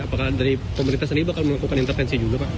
apakah dari pemerintah sendiri bahkan melakukan intervensi juga pak